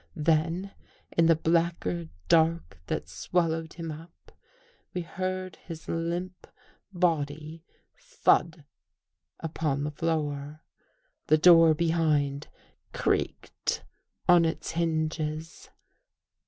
Then, in the blacker dark that swallowed him up, we heard his limp body thud upon the floor. The door behind creaked on its hinges.